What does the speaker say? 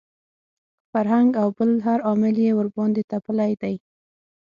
فرهنګ او بل هر عامل یې ورباندې تپلي دي.